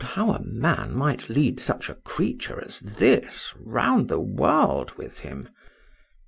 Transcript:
how a man might lead such a creature as this round the world with him!